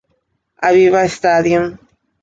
Aviva Stadium